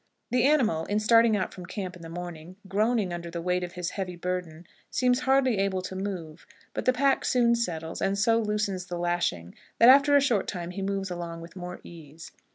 The animal, in starting out from camp in the morning, groaning under the weight of his heavy burden, seems hardly able to move; but the pack soon settles, and so loosens the lashing that after a short time he moves along with more ease.